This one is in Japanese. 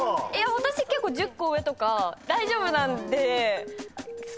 私結構１０個上とか大丈夫なんですけどえ